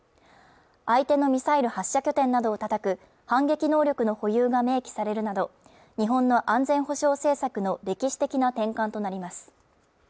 相手のミサイル発射拠点などを叩く反撃能力の保有が明記されるなど日本の安全保障政策の歴史的な転換となります